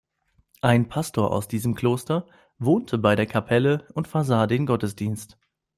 Ein Pastor aus diesem Kloster wohnte bei der Kapelle und versah den Gottesdienst.